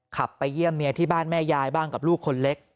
ไปเยี่ยมเมียที่บ้านแม่ยายบ้างกับลูกคนเล็ก